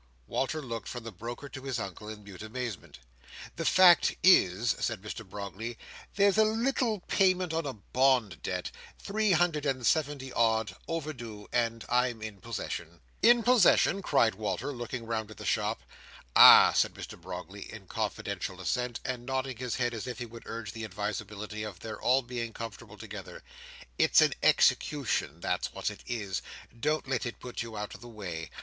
Walter looked from the broker to his Uncle in mute amazement. "The fact is," said Mr Brogley, "there's a little payment on a bond debt —three hundred and seventy odd, overdue: and I'm in possession." "In possession!" cried Walter, looking round at the shop. "Ah!" said Mr Brogley, in confidential assent, and nodding his head as if he would urge the advisability of their all being comfortable together. "It's an execution. That's what it is. Don't let it put you out of the way.